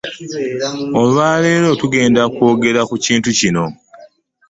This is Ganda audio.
Olwaleero tugenda kwogera ku kintu kino.